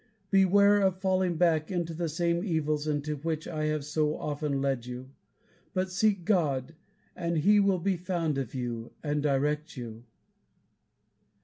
Beware of falling back into the same evils into which I have so often led you, but seek God, and he will be found of you, and direct you."